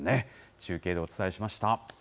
中継でお伝えしました。